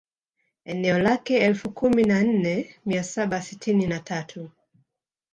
Eneo lake elfu kumi na nne mia saba sitini na tatu